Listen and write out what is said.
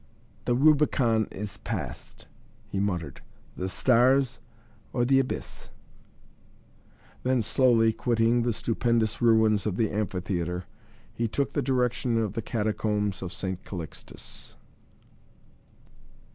"The Rubicon is passed," he muttered. "The stars or the abyss." Then, slowly quitting the stupendous ruins of the Amphitheatre, he took the direction of the Catacombs of St. Calixtus.